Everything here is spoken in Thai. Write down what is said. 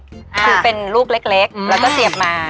คือเป็นลูกเล็กแล้วก็เสียบมา